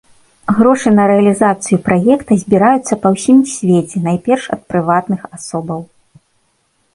Грошы на рэалізацыю праекта збіраюцца па ўсім свеце найперш ад прыватных асобаў.